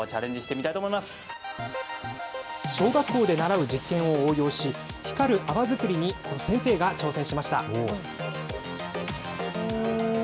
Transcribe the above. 小学校で習う実験を応用し、光る泡作りに先生が挑戦しました。